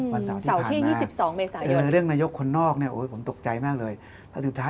วันเสาร์ที่พันมาเรื่องนายกคนนอกผมตกใจมากเลยส่วนที่๒๒เมษายน